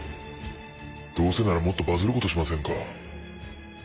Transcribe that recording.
どうせならもっとバズることしませんか？